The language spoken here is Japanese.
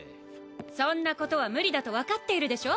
そんなことは無理だと分かっているでしょう